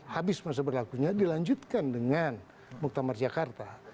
habis masa berlakunya dilanjutkan dengan muktamar jakarta